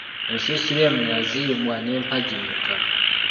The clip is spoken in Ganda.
Ensiisira eno yazimbwa n’empagi mmeka?